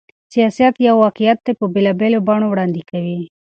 سياست يو واقعيت په بېلابېلو بڼو وړاندې کوي.